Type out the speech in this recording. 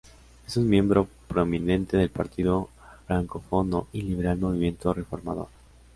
Es un miembro prominente del partido francófono y liberal Movimiento Reformador.